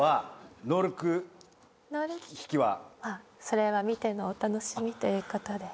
それは見てのお楽しみということで。